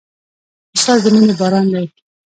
استاد د مینې باران دی.